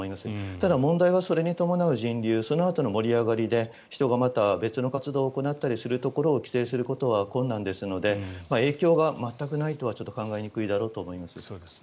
ただ、問題はそれに伴う人流そのあとの盛り上がりで人が別の活動を行うことを規制することは困難ですので影響が全くないとはちょっと考えにくいだろうと思います。